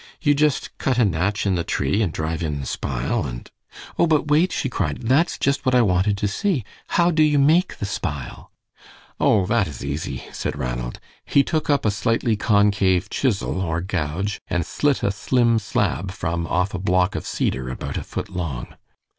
"You just cut a natch in the tree, and drive in the spile, and " "Oh, but wait," she cried. "That's just what I wanted to see. How do you make the spile?" "Oh, that is easy," said Ranald. He took up a slightly concave chisel or gouge, and slit a slim slab from off a block of cedar about a foot long.